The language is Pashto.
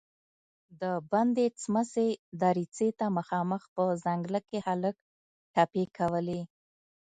د بندې سمڅې دريڅې ته مخامخ په ځنګله کې هلک ټپې کولې.